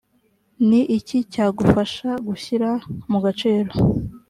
ni iki cyagufasha gushyira mu gaciro?